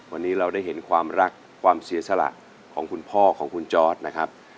วันนี้เราได้เห็นความรักความเสียสละของคุณพ่อของคุณจอร์ดนะครับ